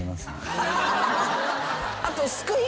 あと。